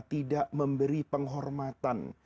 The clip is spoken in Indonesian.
tidak memberi penghormatan